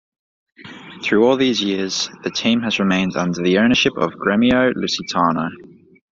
Through all these years, the team has remained under the ownership of Gremio Lusitano.